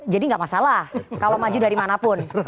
jadi gak masalah kalau maju dari mana pun